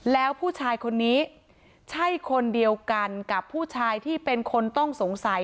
แล้วผู้ชายคนนี้ใช่คนเดียวกันกับผู้ชายที่เป็นคนต้องสงสัย